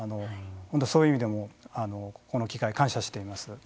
そういう意味でもこの機会感謝しています。